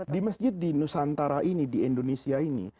di masjid di nusantara ini di indonesia ini